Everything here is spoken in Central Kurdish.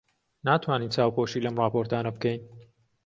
ناتوانین چاوپۆشی لەم ڕاپۆرتانە بکەین.